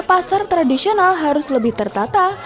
pasar tradisional harus lebih tertata